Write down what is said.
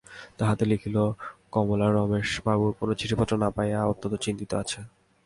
তাহাতে লিখিল, কমলা রমেশবাবুর কোনো চিঠিপত্র না পাইয়া অত্যন্ত চিন্তিত আছে।